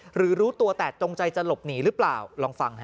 หรือรู้ตัวแต่จงใจจะหลบหนีหรือเปล่าลองฟังฮะ